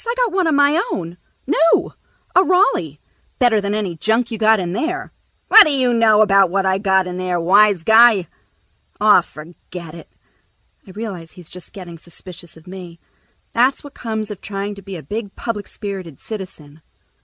I got one of my own. New. A Raleigh. Better than any junk you got in there." "What d'you know about what I got in there, wise guy?" "Aw, forget it." I realize he's just getting suspicious of me. That's what comes of trying to be a big public spirited citizen.